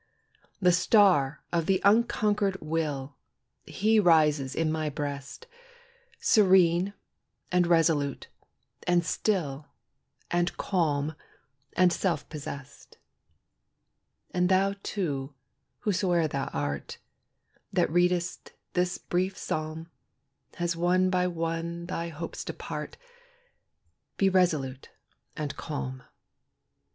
The star of the unconquered will, He rises in my breast, Serene, and resolute, and still, And calm, and self possessed. And thou, too, whosoe'er thou art, That readest this brief psalm, As one by one thy hopes depart, Be resolute and calm.